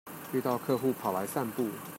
遇到客戶跑來散步